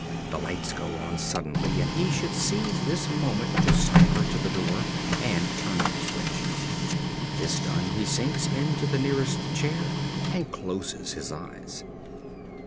The lights go on suddenly; and he should seize this moment to stagger to the door and turn on the switch. This done he sinks into the nearest chair and closes his eyes.